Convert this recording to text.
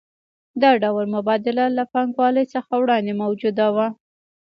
دا ډول مبادله له پانګوالۍ څخه وړاندې موجوده وه